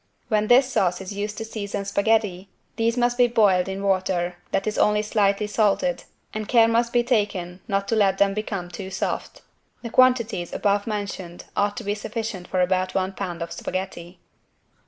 When this sauce is used to season spaghetti, these must be boiled in water that is only slightly salted and care must be taken not to let them become too soft. The quantities above mentioned ought to be sufficient for about one pound of spaghetti.